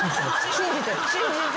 信じてる。